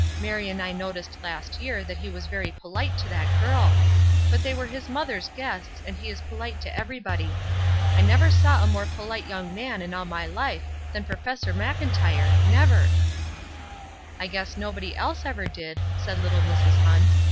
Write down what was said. Mary and I noticed last year that he was very polite to that girl; but they were his mother's guests, and he is polite to everybody. I never saw a more polite young man in all my life than Professor Mclntyre, never!" "I guess nobody else ever did," said little Mrs. Hunt.